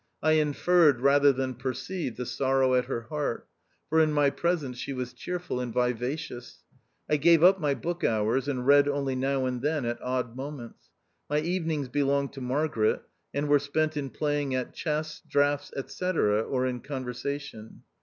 I inferred rather than perceived the sorrow at her heart, for in my presence she was cheerful and vivacious. I gave up my book hours, and read only now and then at odd moments : my evenings belonged to Mar garet, and were spent in playing at chess, draughts, &c, or in conversation.